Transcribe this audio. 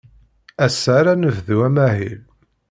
Ass-a ara nebdu amahil.